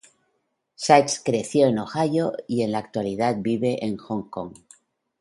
Sites creció en Ohio y en la actualidad vive en Hong Kong.